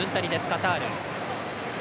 カタール。